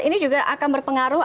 ini juga akan berpengaruh